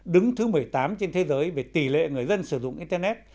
đứng thứ một mươi tám trên thế giới về tỷ lệ người dân sử dụng internet